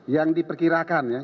yang diperkirakan ya